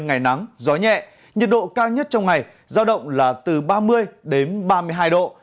ngày nắng gió nhẹ nhiệt độ cao nhất trong ngày giao động là từ ba mươi đến ba mươi hai độ